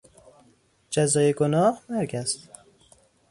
جزای گناه، مرگ است.